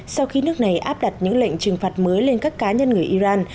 sau khi nước này áp đặt những lệnh trừng phạt mới lên các cá nhân người iran